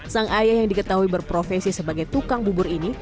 sang ayah yang diketahui berprofesi sebagai tukang bubur ini